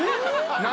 何？